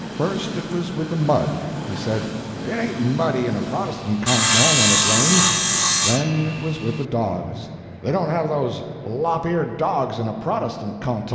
First it was with the mud. He said, "It ain't muddy in a Protestant canton when it rains." Then it was with the dogs: "They don't have those lop eared dogs in a Protestant canton."